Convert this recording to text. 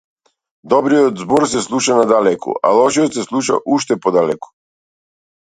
Добриот збор се слуша надалеку, а лошиот се слуша уште подалеку.